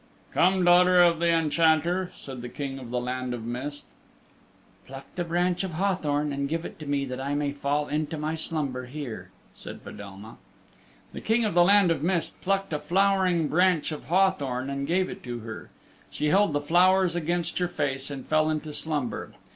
"Come, daughter of the Enchanter," said the King of the Land of Mist. "Pluck the branch of hawthorn and give it to me that I may fall into my slumber here," said Fedelma. The King of the Land of Mist plucked a flowering branch of hawthorn and gave it to her. She held the flowers against her face and fell into slumber.